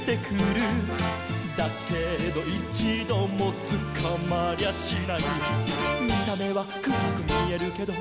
「だけどいちどもつかまりゃしない」「見た目はくらくみえるけど」